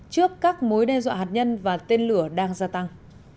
trước các mối đe dọa hạt nhân và tên lửa đang gia tăng